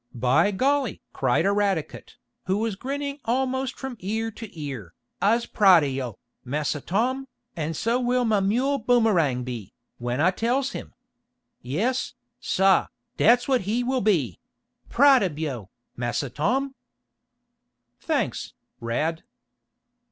"By golly!" cried Eradicate, who was grinning almost from ear to ear, "I's proud oh yo', Massa Tom, an' so will mah mule Boomerang be, when I tells him. Yes, sah, dat's what he will be proud ob yo', Massa Tom!" "Thanks, Rad."